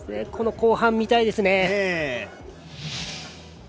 後半、見たいですね。